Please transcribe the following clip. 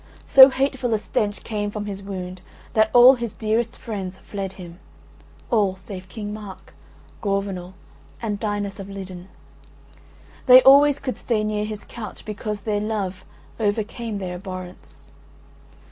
So hateful a stench came from his wound that all his dearest friends fled him, all save King Mark, Gorvenal and Dinas of Lidan. They always could stay near his couch because their love overcame their abhorrence.